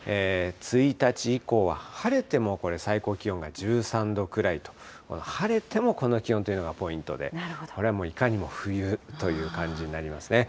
１日以降は晴れてもこれ、最高気温が１３度くらいと、この、晴れてもこの気温というのが、ポイントで、これはもういかにも冬という感じになりますね。